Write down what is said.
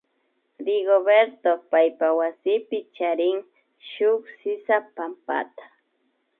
Rigoberto paypa wasipi charin shuk sisapampata